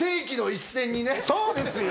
そうですよ！